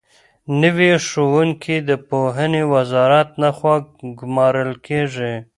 نوي ښوونکي د پوهنې وزارت لخوا ګومارل کېږي.